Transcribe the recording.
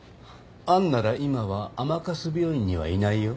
杏なら今は甘春病院にはいないよ。